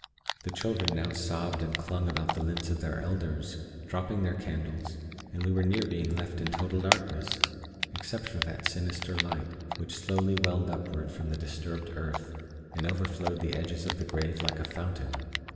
The children now sobbed and clung about the limbs of their elders, dropping their candles, and we were near being left in total darkness, except for that sinister light, which slowly welled upward from the disturbed earth and overflowed the edges of the grave like a fountain.